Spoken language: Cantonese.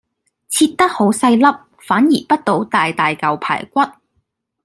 切得好細粒，反而潷到大大嚿排骨